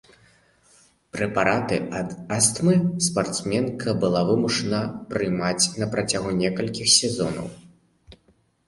Прэпараты ад астмы спартсменка была вымушана прымаць на працягу некалькіх сезонаў.